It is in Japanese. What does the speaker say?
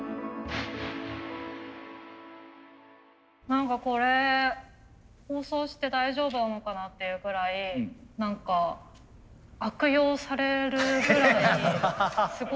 何かこれ放送して大丈夫なのかなっていうぐらい何か悪用されるぐらいすごい分かりやすくて。